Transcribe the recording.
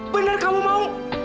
bener kamu mau